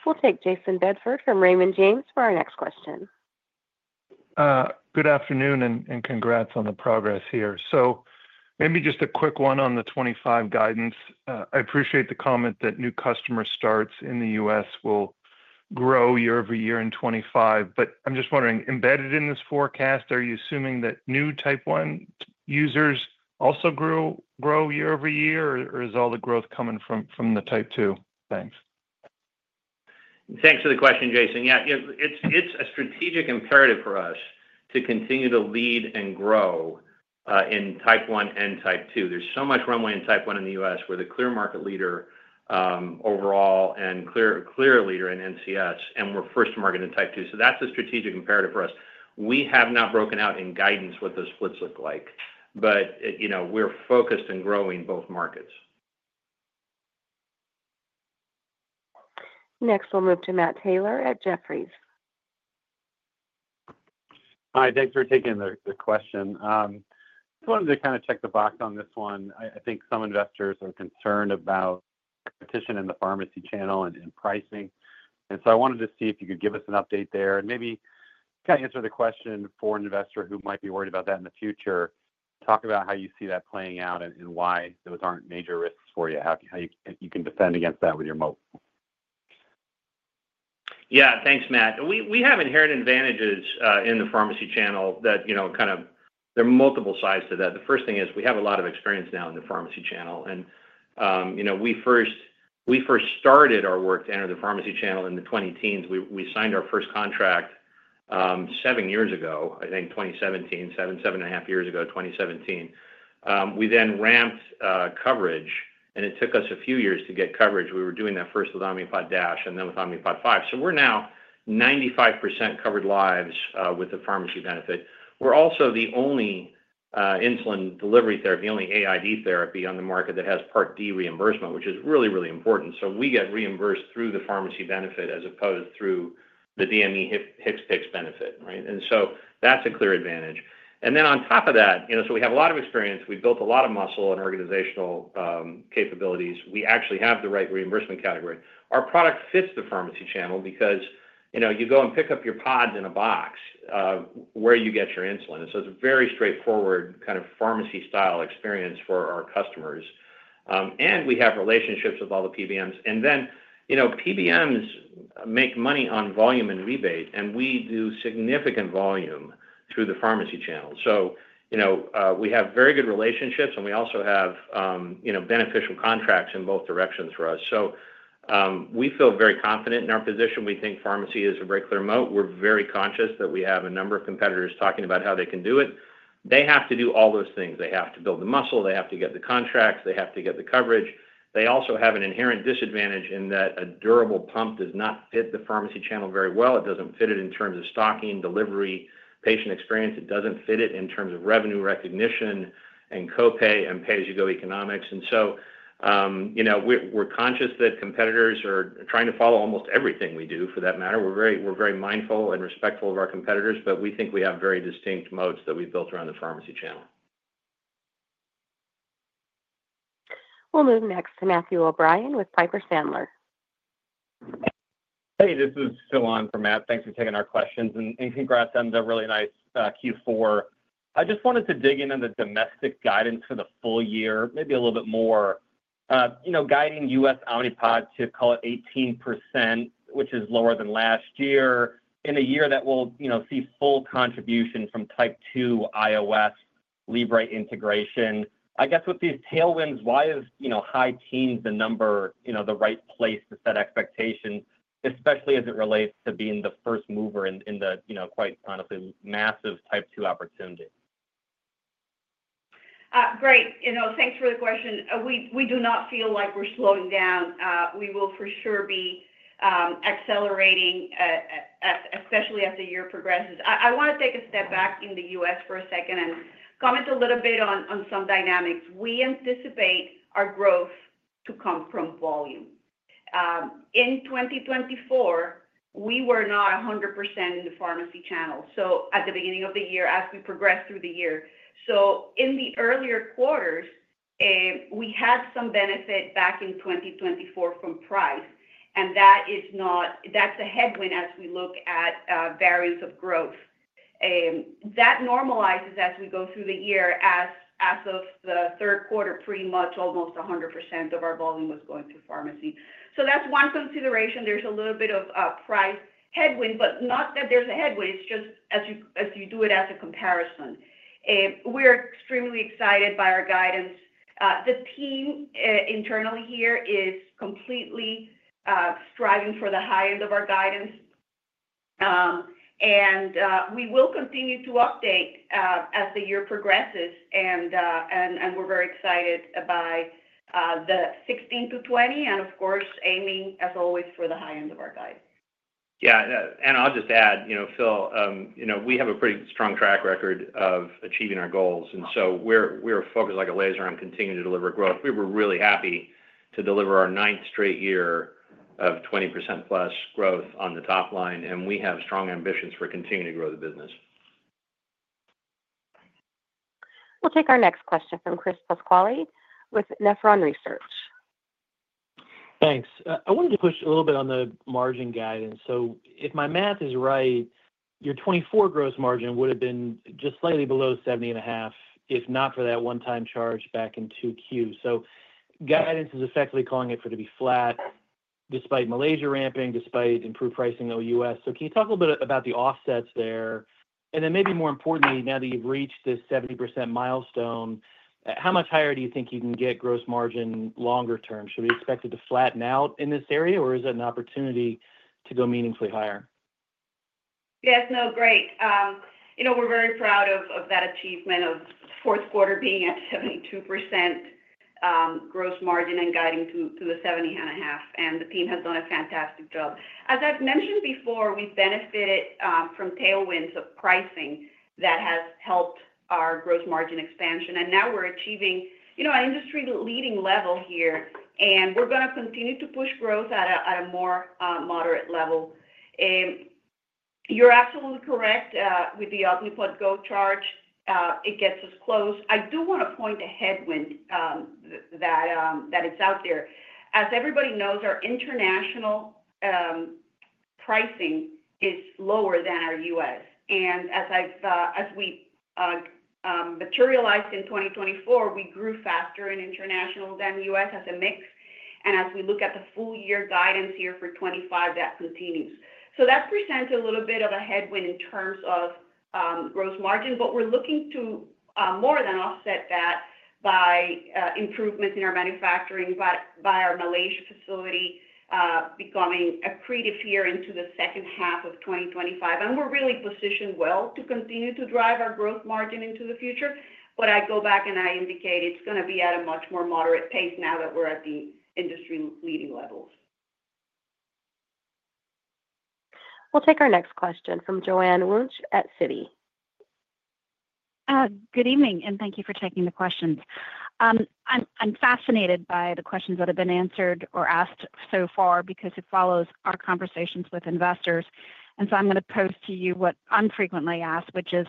We'll take Jayson Bedford from Raymond James for our next question. Good afternoon and congrats on the progress here. So maybe just a quick one on the 2025 guidance. I appreciate the comment that new customer starts in the U.S. will grow year-over-year in 2025. But I'm just wondering, embedded in this forecast, are you assuming that new Type 1 users also grow year-over-year, or is all the growth coming from the Type 2? Thanks. Thanks for the question, Jayson. Yeah, it's a strategic imperative for us to continue to lead and grow in Type 1 and Type 2. There's so much runway in Type 1 in the U.S. We're the clear market leader overall and clear leader in NCS, and we're first to market in Type 2. So that's a strategic imperative for us. We have not broken out in guidance what those splits look like, but we're focused on growing both markets. Next, we'll move to Matt Taylor at Jefferies. Hi, thanks for taking the question. I wanted to kind of check the box on this one. I think some investors are concerned about competition in the pharmacy channel and pricing. And so I wanted to see if you could give us an update there and maybe kind of answer the question for an investor who might be worried about that in the future. Talk about how you see that playing out and why those aren't major risks for you, how you can defend against that with your moat. Yeah, thanks, Matt. We have inherent advantages in the pharmacy channel that kind of there are multiple sides to that. The first thing is we have a lot of experience now in the pharmacy channel. And we first started our work to enter the pharmacy channel in the 2010s. We signed our first contract seven years ago, I think 2017, seven, seven and a half years ago, 2017. We then ramped coverage, and it took us a few years to get coverage. We were doing that first with Omnipod DASH and then with Omnipod 5. So we're now 95% covered lives with the pharmacy benefit. We're also the only insulin delivery therapy, the only AID therapy on the market that has Part D reimbursement, which is really, really important. So we get reimbursed through the pharmacy benefit as opposed to through the DME HCPCS benefit, right? And so that's a clear advantage. And then on top of that, so we have a lot of experience. We built a lot of muscle and organizational capabilities. We actually have the right reimbursement category. Our product fits the pharmacy channel because you go and pick up your pods in a box where you get your insulin. And so it's a very straightforward kind of pharmacy-style experience for our customers. And we have relationships with all the PBMs. And then PBMs make money on volume and rebate, and we do significant volume through the pharmacy channel. So we have very good relationships, and we also have beneficial contracts in both directions for us. So we feel very confident in our position. We think pharmacy is a very clear moat. We're very conscious that we have a number of competitors talking about how they can do it. They have to do all those things. They have to build the muscle. They have to get the contracts. They have to get the coverage. They also have an inherent disadvantage in that a durable pump does not fit the pharmacy channel very well. It doesn't fit it in terms of stocking, delivery, patient experience. It doesn't fit it in terms of revenue recognition and copay and pay-as-you-go economics. And so we're conscious that competitors are trying to follow almost everything we do, for that matter. We're very mindful and respectful of our competitors, but we think we have very distinct moats that we've built around the pharmacy channel. We'll move next to Matthew O'Brien with Piper Sandler. Hey, this is Phil on for Matt. Thanks for taking our questions and congrats on the really nice Q4. I just wanted to dig into the domestic guidance for the full year, maybe a little bit more. Guiding U.S. Omnipod to call it 18%, which is lower than last year, in a year that will see full contribution from Type 2, iOS, Libre integration. I guess with these tailwinds, why is high teens the number, the right place to set expectations, especially as it relates to being the first mover in the quite honestly massive Type 2 opportunity? Great. Thanks for the question. We do not feel like we're slowing down. We will for sure be accelerating, especially as the year progresses. I want to take a step back in the U.S. for a second and comment a little bit on some dynamics. We anticipate our growth to come from volume. In 2024, we were not 100% in the pharmacy channel. So at the beginning of the year, as we progressed through the year. So in the earlier quarters, we had some benefit back in 2024 from price, and that's a headwind as we look at barriers of growth. That normalizes as we go through the year. As of the third quarter, pretty much almost 100% of our volume was going to pharmacy. So that's one consideration. There's a little bit of a price headwind, but not that there's a headwind. It's just as you do it as a comparison. We're extremely excited by our guidance. The team internally here is completely striving for the high end of our guidance. And we will continue to update as the year progresses. And we're very excited by the 16 to 21% and, of course, aiming as always for the high end of our guidance. Yeah. And I'll just add, Phil, we have a pretty strong track record of achieving our goals. And so we're focused like a laser on continuing to deliver growth. We were really happy to deliver our ninth straight year of 20% plus growth on the top line. And we have strong ambitions for continuing to grow the business. We'll take our next question from Chris Pasquale with Nephron Research. Thanks. I wanted to push a little bit on the margin guidance. So if my math is right, your 2024 gross margin would have been just slightly below 70.5% if not for that one-time charge back in Q2. So guidance is effectively calling it for it to be flat despite Malaysia ramping, despite improved pricing in the U.S. So can you talk a little bit about the offsets there? And then maybe more importantly, now that you've reached this 70% milestone, how much higher do you think you can get gross margin longer term? Should we expect it to flatten out in this area, or is it an opportunity to go meaningfully higher? Yes. No, great. We're very proud of that achievement of fourth quarter being at 72% gross margin and guiding to the 70.5%. And the team has done a fantastic job. As I've mentioned before, we've benefited from tailwinds of pricing that has helped our gross margin expansion. And now we're achieving an industry-leading level here, and we're going to continue to push growth at a more moderate level. You're absolutely correct with the Omnipod GO charge. It gets us close. I do want to point a headwind that it's out there. As everybody knows, our international pricing is lower than our U.S. And as we materialized in 2024, we grew faster in international than U.S. as a mix. And as we look at the full-year guidance here for 2025, that continues. So that presents a little bit of a headwind in terms of gross margin, but we're looking to more than offset that by improvements in our manufacturing, by our Malaysia facility becoming accretive here into the second half of 2025. And we're really positioned well to continue to drive our gross margin into the future. But I go back and I indicate it's going to be at a much more moderate pace now that we're at the industry-leading levels. We'll take our next question from Joanne Wuensch at Citi. Good evening, and thank you for taking the questions. I'm fascinated by the questions that have been answered or asked so far because it follows our conversations with investors. And so I'm going to pose to you what I'm frequently asked, which is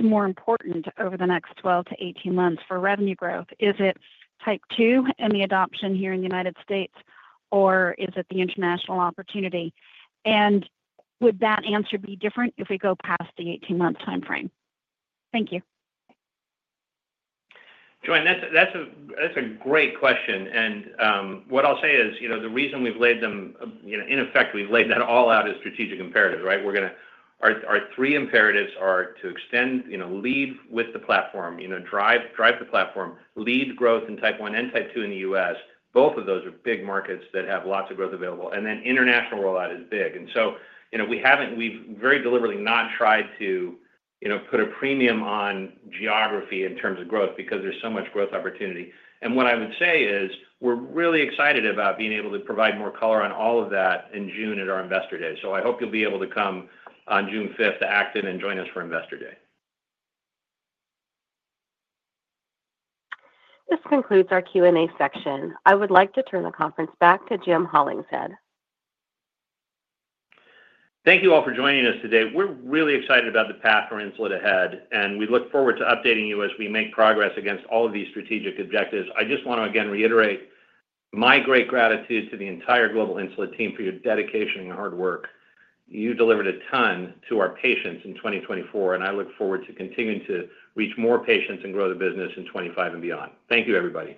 more important over the next 12 to 18 months for revenue growth? Is it Type 2 and the adoption here in the United States, or is it the international opportunity? And would that answer be different if we go past the 18-month timeframe? Thank you. Joanne, that's a great question. And what I'll say is the reason we've laid them, in effect, we've laid that all out as strategic imperatives, right? Our three imperatives are to extend, lead with the platform, drive the platform, lead growth in Type 1 and Type 2 in the U.S. Both of those are big markets that have lots of growth available. And then international rollout is big. And so we've very deliberately not tried to put a premium on geography in terms of growth because there's so much growth opportunity. And what I would say is we're really excited about being able to provide more color on all of that in June at our Investor Day. So I hope you'll be able to come on June 5th to Acton and join us for Investor Day. This concludes our Q&A section. I would like to turn the conference back to Jim Hollingshead. Thank you all for joining us today. We're really excited about the path for Insulet ahead, and we look forward to updating you as we make progress against all of these strategic objectives. I just want to again reiterate my great gratitude to the entire Global Insulet team for your dedication and hard work. You delivered a ton to our patients in 2024, and I look forward to continuing to reach more patients and grow the business in 2025 and beyond. Thank you, everybody.